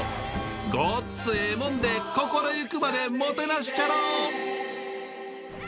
ごっつえぇモンで心行くまでもてなしちゃろ。